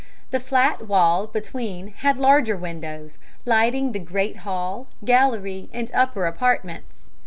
The flat wall between had larger windows, lighting the great hall, gallery, and upper apartments.